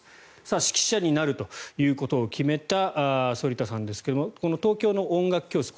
指揮者になるということを決めた反田さんですがこの東京の音楽教室